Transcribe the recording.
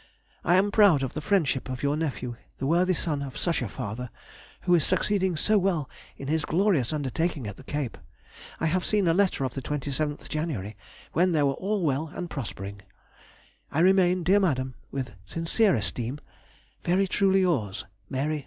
I am proud of the friendship of your nephew, the worthy son of such a father, who is succeeding so well in his glorious undertaking at the Cape. I have seen a letter of the 27th January, when they were all well and prospering. I remain, dear Madam, With sincere esteem, Very truly yours, MARY SOMERVILLE.